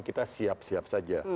kita siap siap saja